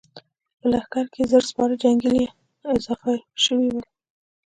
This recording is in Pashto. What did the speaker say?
په لښکر کې يې زر سپاره جنګيالي اضافه شوي ول.